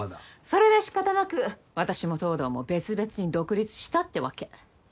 それで仕方なく私も東堂も別々に独立したってわけ。